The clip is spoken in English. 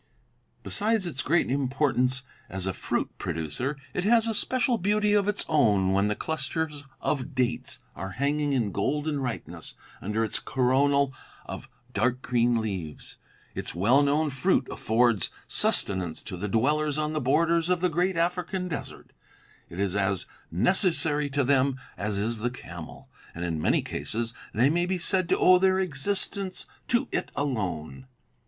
'Besides its great importance as a fruit producer, it has a special beauty of its own when the clusters of dates are hanging in golden ripeness under its coronal of dark green leaves. Its well known fruit affords sustenance to the dwellers on the borders of the great African desert; it is as necessary to them as is the camel, and in many cases they may be said to owe their existence to it alone.